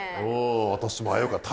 私も危うかった。